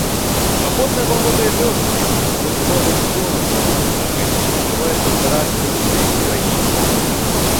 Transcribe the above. Свабодна валодае лёгкім, рухомым голасам, арганічна ужываецца ў характары сваіх гераінь.